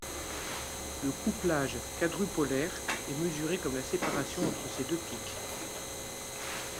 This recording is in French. Le couplage quadrupolaire est mesuré comme la séparation entre ces deux pics.